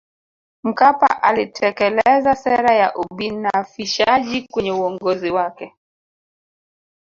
mkapa alitekeleza sera ya ubinafishaji kwenye uongozi wake